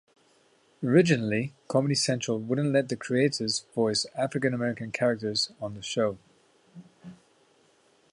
Originally Comedy Central wouldn't let the creators voice African-American characters on the show.